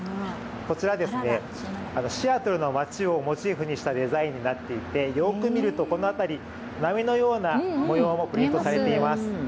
こちら、シアトルの街をモチーフにしたデザインになっていてよーく見ると、この辺り波のような模様もプリントされています。